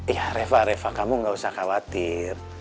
ya reva kamu gak usah khawatir